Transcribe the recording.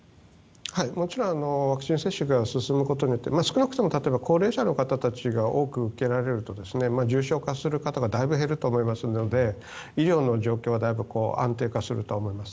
もちろんワクチン接種が進むことによって少なくとも高齢者の方たちが多く受けられると重症化する方がだいぶ減ると思いますので医療の状況はだいぶ安定化すると思います。